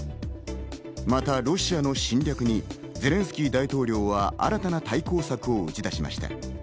またロシアの侵略にゼレンスキー大統領は新たな対抗策を打ち出しました。